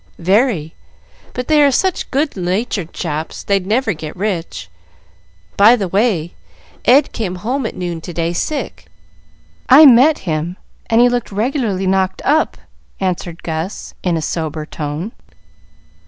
"Very, but they are such good natured chaps, they'd never get rich. By the way, Ed came home at noon to day sick. I met him, and he looked regularly knocked up," answered Gus, in a sober tone.